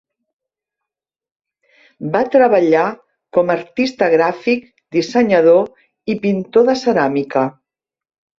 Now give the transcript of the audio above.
Va treballar com a artista gràfic, dissenyador i pintor de ceràmica.